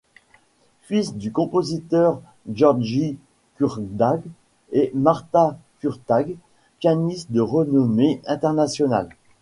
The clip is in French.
Fils du compositeur Gyorgy Kurtág et Marta Kurtág, pianiste de renommée internationale.